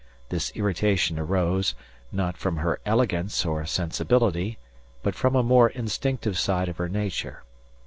This irritation arose, not from her elegance or sensibility, but from a more instinctive side of her nature.